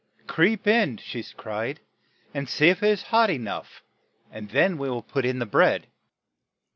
"Creep in," she cried, "and see if it is hot e nough, and then we will put in the bread."